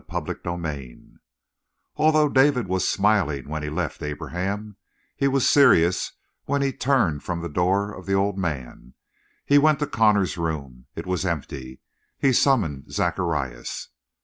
CHAPTER SIXTEEN Although David was smiling when he left Abraham, he was serious when he turned from the door of the old man. He went to Connor's room, it was empty. He summoned Zacharias.